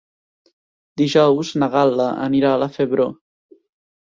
Dijous na Gal·la anirà a la Febró.